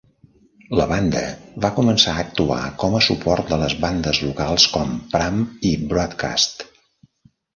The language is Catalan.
La banda va començar a actuar com a suport de les bandes locals com Pram i Broadcast.